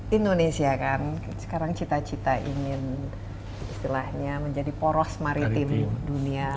indonesia kan sekarang cita cita ingin istilahnya menjadi poros maritim dunia